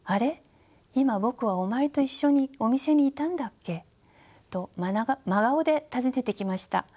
今僕はお前と一緒にお店にいたんだっけ？」と真顔で尋ねてきました。